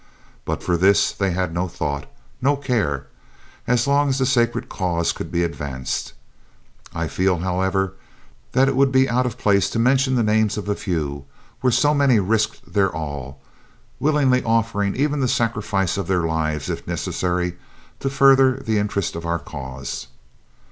But for this they had no thought, no care, as long as the sacred cause could be advanced. I feel, however, that it would be out of place to mention the names of a few where so many risked their all, willingly offering even the sacrifice of their lives, if necessary, to further the interests of our cause."